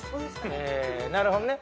なるほどね。